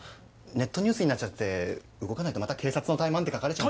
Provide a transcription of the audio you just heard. ネットニュースになっちゃって動かないとまた「警察の怠慢」って書かれちゃう。